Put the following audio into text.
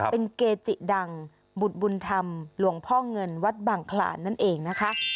เป็นเกจิดังบุตรบุญธรรมหลวงพ่อเงินวัดบังคลานนั่นเองนะคะ